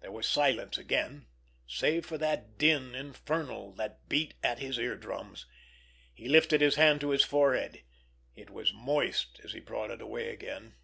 There was silence again, save for that din infernal that beat at his eardrums. He lifted his hand to his forehead—it was moist as he brought it away again.